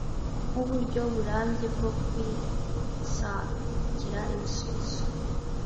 nk’uburyo burambye bwo kwisahkira ibisbizo